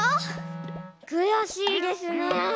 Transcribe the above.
くやしいですね。